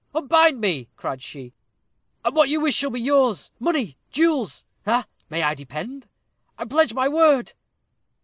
"Unbind me!" cried she, "and what you wish shall be yours money jewels " "Ha! may I depend?" "I pledge my word."